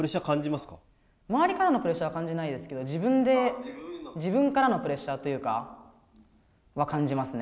周りからのプレッシャーは感じないんですけど、自分からのプレッシャーというかそれは感じますね。